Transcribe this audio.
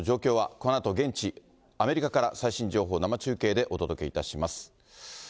このあと現地、アメリカから最新情報を生中継でお届けいたします。